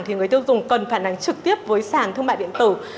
thì người tiêu dùng cần phản ánh trực tiếp với sản thương mại điện tử